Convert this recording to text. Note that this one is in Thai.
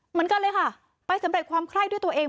เหมือนกันเลยค่ะไปสำเร็จความไข้ด้วยตัวเอง